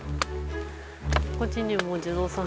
こっちにもお地蔵さん。